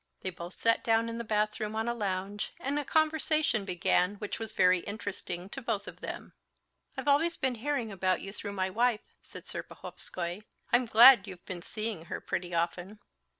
They both sat down in the bathroom on a lounge, and a conversation began which was very interesting to both of them. "I've always been hearing about you through my wife," said Serpuhovskoy. "I'm glad you've been seeing her pretty often."